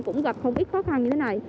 cũng gặp không ít khó khăn như thế này